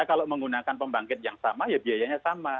kalau menggunakan pembangkit yang sama ya biayanya sama